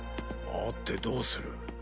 会ってどうする？